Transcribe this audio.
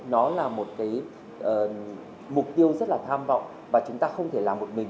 nó là một cái mục tiêu rất là tham vọng và chúng ta không thể làm một mình